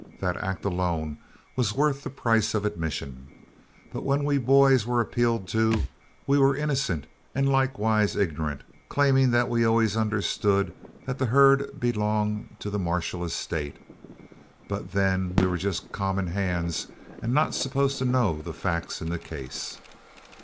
That act alone was worth the price of admission. But when we boys were appealed to, we were innocent and likewise ignorant, claiming that we always understood that the herd belonged to the Marshall estate, but then we were just common hands and not supposed to know the facts in the case.